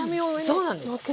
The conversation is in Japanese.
そうなんですよ。